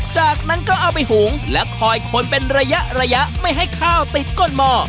จากนั้นก็เอาไปหุงและคอยคนเป็นระยะระยะไม่ให้ข้าวติดก้นหม้อ